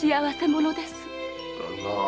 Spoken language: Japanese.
旦那。